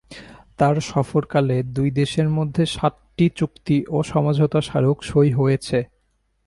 তাঁর সফরকালে দুই দেশের মধ্যে সাতটি চুক্তি ও সমঝোতা স্মারক সই হয়েছে।